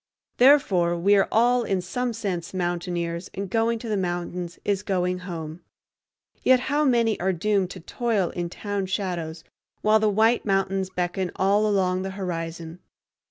Therefore we are all, in some sense, mountaineers, and going to the mountains is going home. Yet how many are doomed to toil in town shadows while the white mountains beckon all along the horizon!